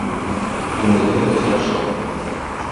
КҮҢЕЛҺЕҘ ОСРАШЫУ